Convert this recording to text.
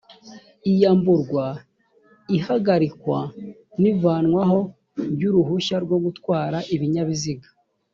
iyamburwa ihagarikwa n ivanwaho by uruhushya rwogutwara ibinyabiziga